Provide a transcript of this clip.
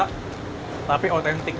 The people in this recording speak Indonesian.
nggak terlalu banyak rasa tapi otentik